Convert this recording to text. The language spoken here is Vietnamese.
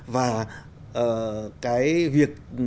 và cái việc